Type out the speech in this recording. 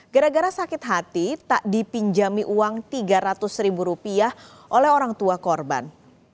gara gara sakit hati tak dipinjami uang tiga ratus ribu rupiah oleh orang tua korban